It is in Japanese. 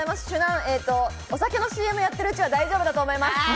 酒難、お酒のＣＭやっているうちは大丈夫だと思います。